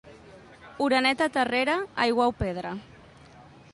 Oreneta terrera, aigua o pedra.